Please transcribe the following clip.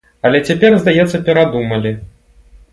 Але цяпер, здаецца, перадумалі.